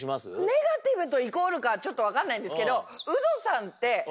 ネガティブとイコールかちょっと分からないんですけどウドさんて。